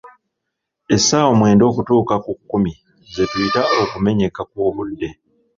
Essaawa mwenda okutuuka ku kkumi ze tuyita okumenyeka kw'obudde.